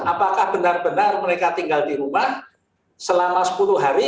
apakah benar benar mereka tinggal di rumah selama sepuluh hari